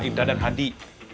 indra dan hadi